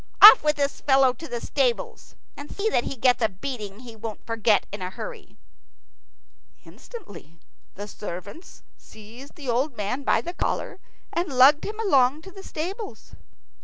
Off with this fellow to the stables, and see that he gets a beating he won't forget in a hurry." Instantly the servants seized the old man by the collar and lugged him along to the stables.